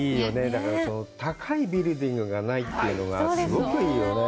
だから高いビルディングがないというのがすごくいいよね。